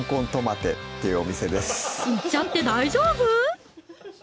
言っちゃって大丈夫？